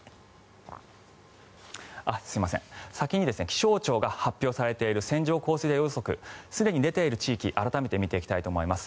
気象庁が発表されている線状降水帯予測すでに出ている地域改めて見ていきたいと思います。